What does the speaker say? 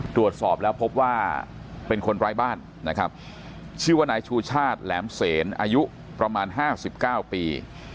ตรวจสอบแล้วพบว่าเป็นคนร้ายบ้านนะครับชื่อว่านายชูชาติแหลมเสนอายุประมาณ๕๙ปี